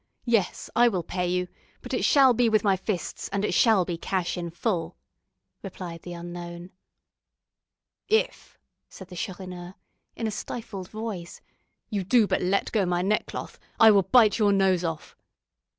yes, I will pay you, but it shall be with my fists; and it shall be cash in full," replied the unknown. "If," said the Chourineur, in a stifled voice, "you do but let go my neckcloth, I will bite your nose off."